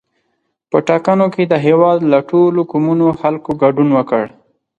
په ټاکنو کې د هېواد له ټولو قومونو خلکو ګډون وکړ.